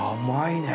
甘い。